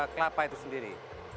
kelapa itu sendiri